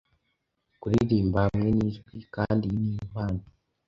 Kuririmba hamwe nijwi, kandi iyi ni impaka